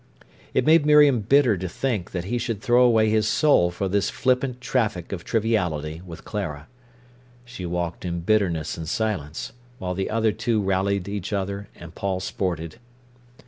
It made Miriam bitter to think that he should throw away his soul for this flippant traffic of triviality with Clara. She walked in bitterness and silence, while the other two rallied each other, and Paul sported.